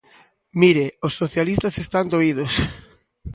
Mire, os socialistas están doídos.